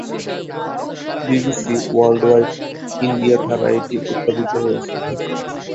BBC worldwide India দ্বারা এটি উৎপাদিত হয়েছে।